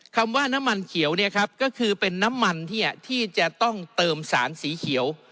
คำว่าน้ำมันเขียวเนี่ยครับก็คือเป็นน้ำมันที่จะต้องเติมสารสีเขียว